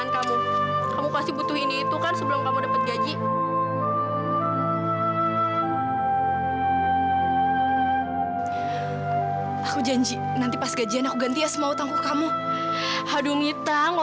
sampai jumpa di video selanjutnya